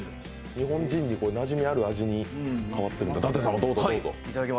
日本人になじみある味に変わってるんだ。